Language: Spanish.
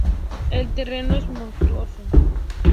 El terreno es montuoso.